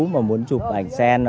mà muốn chụp ảnh sen